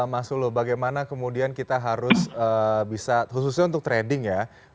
mas ulu bagaimana kemudian kita harus bisa khususnya untuk trading ya